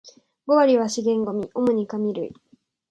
五割は資源ゴミ、主に紙類